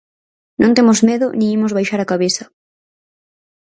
Non temos medo nin imos baixar a cabeza.